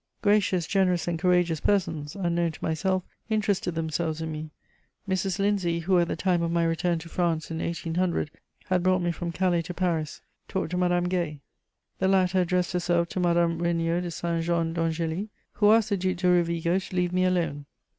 Gracious, generous and courageous persons, unknown to myself, interested themselves in me. Mrs. Lindsay, who at the time of my return to France, in 1800, had brought me from Calais to Paris, talked to Madame Gay; the latter addressed herself to Madame Regnaud de Saint Jean d'Angély, who asked the Duc de Rovigo to leave me alone.